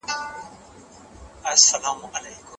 په لاس لیکلنه د زده کوونکي پر ذهن د علم رڼا اچوي.